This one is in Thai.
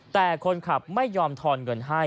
แต่คนขับไม่ยอมทอนเงินให้